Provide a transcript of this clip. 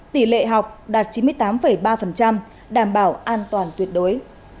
tỷ lệ học đạt chín mươi tám ba đảm bảo an toàn tuyệt đối